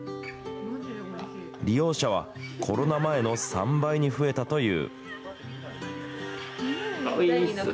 利用者はコロナ前の３倍に増えたという。